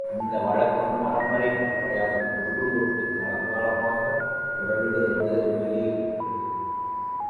இந்த வழக்கம் பரம்பரை பரம்பரையாகத் தொன்றுதொட்டு காலங்காலமாக தொடர்ந்து வந்து கொண்டேயிருக்கிறது.